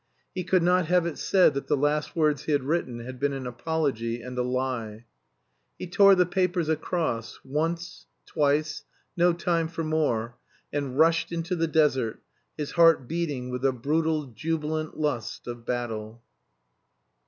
He could not have it said that the last words he had written had been an apology and a lie. He tore the papers across, once, twice no time for more and rushed into the desert, his heart beating with the brutal, jubilant lust of battle.